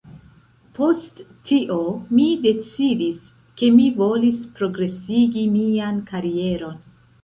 Post tio, mi decidis, ke mi volis progresigi mian karieron